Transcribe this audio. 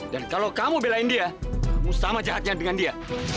dan kalau kamu belain dia kamu sama jahatnya dengan dia